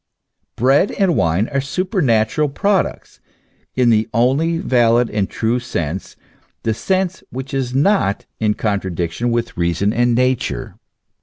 Bread and wine are supernatural products, in the only valid and true sense, the sense which is not in contradiction with reason and Nature.